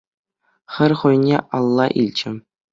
Хӗр хӑйне алла илчӗ.